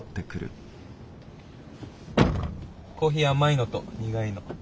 コーヒー甘いのと苦いの。